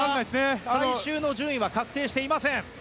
最終の順位は確定していません。